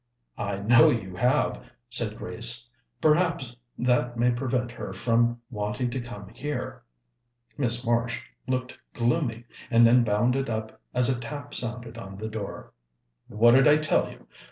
"I know you have," said Grace. "Perhaps that may prevent her from wanting to come here." Miss Marsh looked gloomy, and then bounded up as a tap sounded on the door. "What did I tell you?